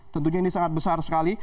tentunya ini sangat besar sekali